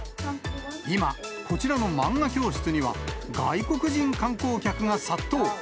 今、こちらの漫画教室には、外国人観光客が殺到。